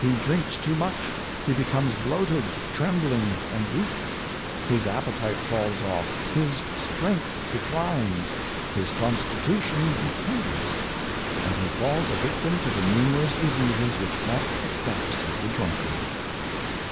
He drinks too much; he becomes bloated, trembling, and weak; his appetite falls off, his strength declines, his constitution decays, and he falls a victim to the numerous diseases which haunt the steps of the drunkard.